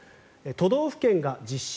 都道府県が実施